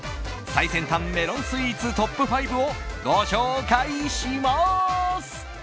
最先端メロンスイーツトップ５をご紹介します！